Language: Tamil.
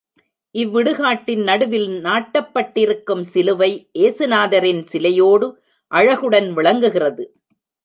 இவ்விடுகாட்டின் நடுவில் நாட்டப்பட்டிருக்கும் சிலுவை, ஏசு நாதரின் சிலையோடு அழகுடன் விளங்குகிறது.